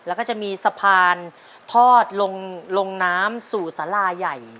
แล้วก็จะมีสะพานทอดลงน้ำสู่สาราใหญ่